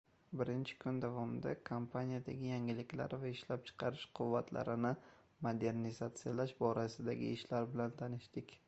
Birinchi kun davomida kompaniyadagi yangiliklar va ishlab chiqarish quvvatlarini modernizatsiyalash borasidagi ishlar bilan tanishdik.